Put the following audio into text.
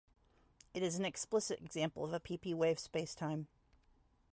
It is an explicit example of a pp-wave spacetime.